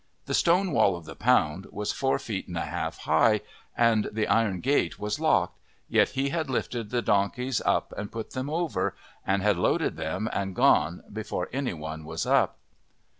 The stone wall of the pound was four feet and a half high and the iron gate was locked, yet he had lifted the donkeys up and put them over and had loaded them and gone before anyone was up.